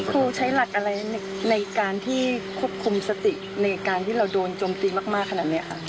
ครูใช้หลักอะไรในการที่ควบคุมสติในการที่เราโดนโจมตีมากขนาดนี้ค่ะ